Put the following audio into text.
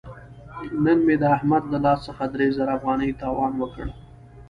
نن مې د احمد له لاس څخه درې زره افغانۍ تاوان وکړ.